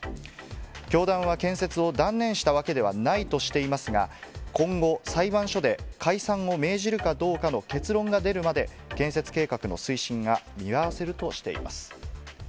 教団は建設を断念したわけではないとしていますが、今後、裁判所で解散を命じるかどうかの結論が出るまで、建設計画の推進は見合わせるとしています。